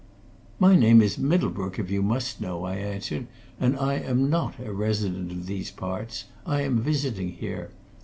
"My name is Middlebrook, if you must know," I answered. "And I am not a resident of these parts I am visiting here.